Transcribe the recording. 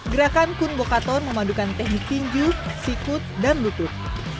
gerakan kun bokaton memadukan teknik tinju sikut dan lutut